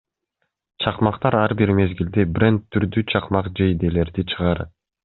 Чакмактар Ар бир мезгилде бренд түрдүү чакмак жейделерди чыгарат.